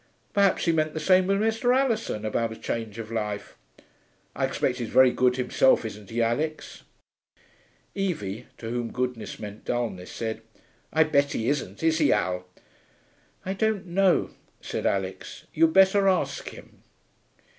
Perhaps he meant the same as Mr. Alison, about a change of life. I expect he's very good himself, isn't he, Alix?' Evie, to whom goodness meant dullness, said, 'I bet he isn't. Is he, Al?' 'I don't know,' said Alix. 'You'd better ask him.'